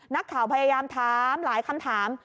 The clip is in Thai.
นักข่าวพยายามถามหลายคำถาม